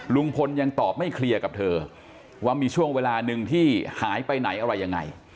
ลุงพลยังตอบไม่เคลียร์กับเธอว่ามีช่วงเวลาหนึ่งที่หายไปไหนอะไรยังไง